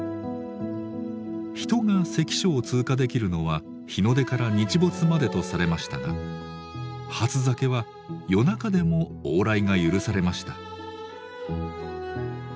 人が関所を通過できるのは日の出から日没までとされましたが初鮭は夜中でも往来が許されました。